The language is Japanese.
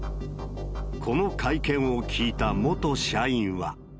この会見を聞いた元社員は。